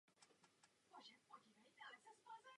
Objednávka osmdesáti kusů u Caproni byla nakonec zrušena.